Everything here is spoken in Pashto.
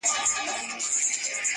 خپل پر ټولو فیصلو دستي پښېمان سو,